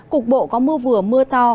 cục bộ có mưa vừa mưa to